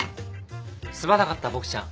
すまなかったボクちゃん。